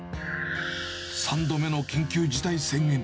３度目の緊急事態宣言。